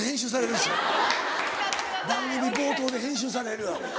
番組冒頭で編集される。